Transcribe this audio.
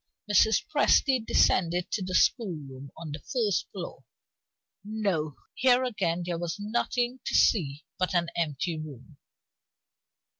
Mrs. Presty descended to the schoolroom on the first floor. No. Here again there was nothing to see but an empty room.